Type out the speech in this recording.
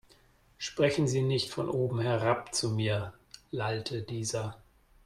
Sprechen Sie nicht von oben herab zu mir, lallte dieser.